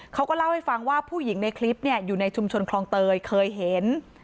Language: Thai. เขาก็เล่าให้ฟังว่าผู้หญิงในคลิปอยู่ในชุมชนคลองเตยเคยเห็น